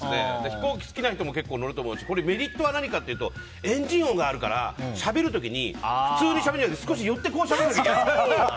飛行機が好きな人も乗ると思うしメリットは何かというとエンジン音があるからしゃべる時に普通にしゃべるより少し寄ってしゃべるでしょ。